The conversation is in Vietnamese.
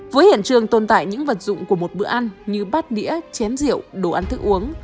với hiện trường tồn tại những vật dụng của một bữa ăn như bát đĩa chén rượu đồ ăn thức uống